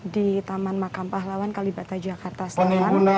di taman makam pahlawan kalibata jakarta selatan